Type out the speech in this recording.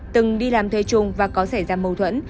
từng đi làm thuê trung và có xảy ra mâu thuẫn